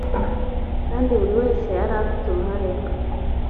kandi buri wese yari afite uruhare rwe